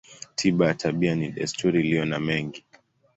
Tiba ya tabia ni desturi iliyo na mengi.